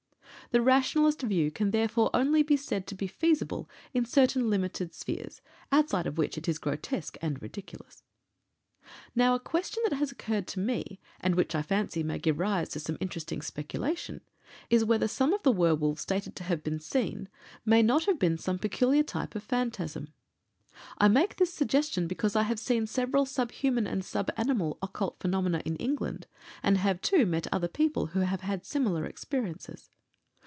The rationalist view can therefore only be said to be feasible in certain limited spheres, outside of which it is grotesque and ridiculous. Now a question that has occurred to me, and which, I fancy, may give rise to some interesting speculation, is, whether some of the werwolves stated to have been seen may not have been some peculiar type of phantasm. I make this suggestion because I have seen several sub human and sub animal occult phenomena in England, and have, too, met other people who have had similar experiences.